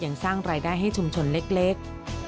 สร้างรายได้ให้ชุมชนเล็ก